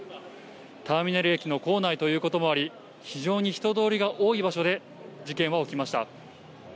ターミナル駅の構内ということもあり、非常に人通りが多い場所で事件は起きました。